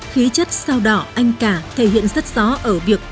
khí chất sao đỏ anh cả thể hiện rất rõ ở việc